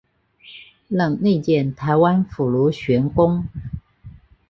任内建台湾府儒学宫。